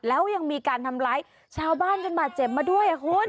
แล้วยังมีการทำไรชาวบ้านจนมาเจ็บมาด้วย